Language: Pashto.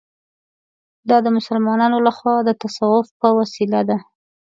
دا د مسلمانانو له خوا د تصوف په وسیله ده.